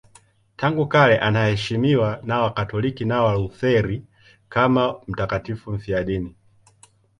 Tangu kale anaheshimiwa na Wakatoliki na Walutheri kama mtakatifu mfiadini.